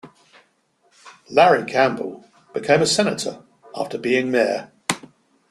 Larry Campbell became a Senator after being mayor.